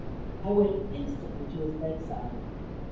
I went instantly to his bedside.